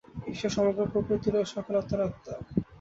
ঈশ্বর সমগ্র প্রকৃতির ও সকল আত্মার আত্মা।